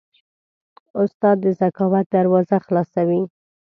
استاد د ذکاوت دروازه خلاصوي.